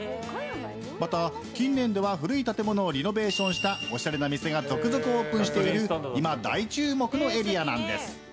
また、近年では古い建物をリノベーションしたおしゃれな店が続々オープンしている今、大注目のエリアなんです。